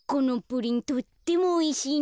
プリンとってもおいしい。